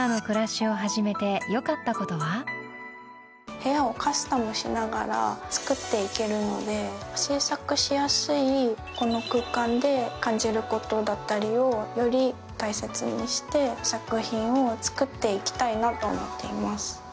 部屋をカスタムしながらつくって行けるので制作しやすいこの空間で感じることだったりをより大切にして作品を作って行きたいなと思っています。